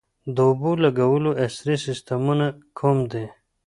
د اوبو لګولو عصري سیستمونه کوم دي؟